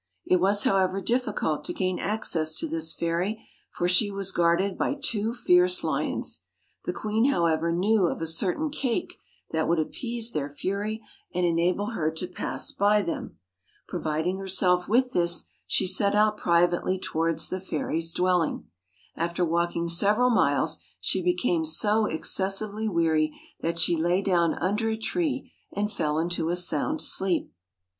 It was, however, difficult to gain access to this fairy ; for she was guarded by two fierce lions. The queen, however, knew of a certain cake that would appease their fury, and enable her to pass by them. Providing herself with this, she set out privately towards the fairy's dwelling. After walking several miles, she became so excessively weary that she lay down under a tree, and fell into a sound sleep.